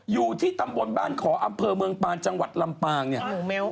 อยู่ที่ตำบลบ้านขออำเภอเมืองปานจังหวัดลำปางเนี่ย